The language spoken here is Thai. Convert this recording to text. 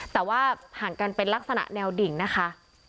แต่ว่าห่างกันเป็นลักษณะแนวดิ่งนะคะ